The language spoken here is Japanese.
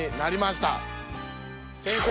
先生